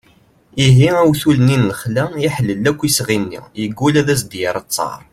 ihi awtul-nni n lexla iḥellel akk isɣi-nni yeggul ad as-d-yerr ttar